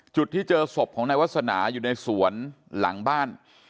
จุดที่เจอศพของนายวาสนาอยู่ในสวนหลังบ้าน